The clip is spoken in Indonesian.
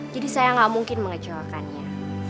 jadi saya gak mungkin mengecohkannya